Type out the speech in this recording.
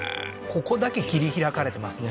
ここだけ切り開かれてますね